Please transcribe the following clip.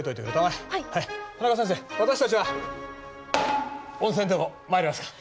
私たちは温泉でもまいりますか。